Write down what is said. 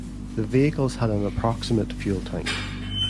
The vehicles had an approximate fuel tank.